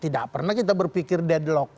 tidak pernah kita berpikir deadlock